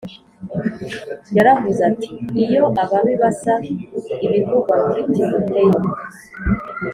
Yaravuze iti iyo ababi basa Ibivugwa muri Timoteyo